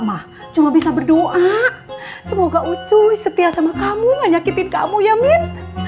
mah cuma bisa berdoa semoga ucu setia sama kamu gak nyakitin kamu ya min